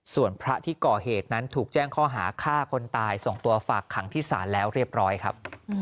ส่วนพระที่ก่อเหตุนั้นถูกแจ้งข้อหาฆ่าคนตายส่งตัวฝากขังที่ศาลแล้วเรียบร้อยครับ